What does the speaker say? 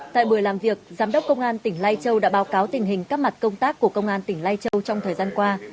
tại buổi làm việc giám đốc công an tỉnh lai châu đã báo cáo tình hình các mặt công tác của công an tỉnh lai châu trong thời gian qua